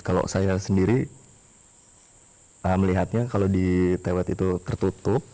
kalau saya sendiri melihatnya kalau di tewet itu tertutup